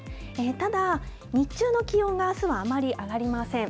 ただ、日中の気温があすはあまり上がりません。